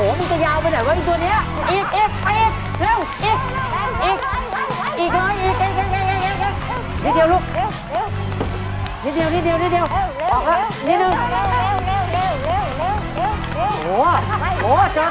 โอ้โหมันจะยาวไปไหนไว้อีกตัวเนี้ยอีกอีกอีกเร็วอีกอีก